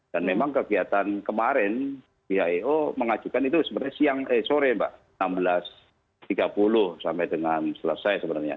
dan memang kegiatan kemarin bio mengajukan itu sebenarnya sore enam belas tiga puluh sampai dengan selesai sebenarnya